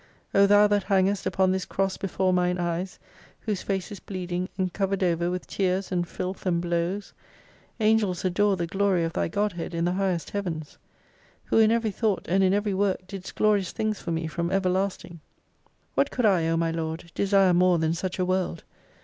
O Thou that hangest upon this Cross before mine eyes, whose face is bleeding, and covered over with tears and filth and blows ! Angels adore the Glory of Thy GODHEAD in the highest heavens. "Who in every thought and in every work didst Glorious things for me from Everlasting. What could I, O my Lord, desire more than such a World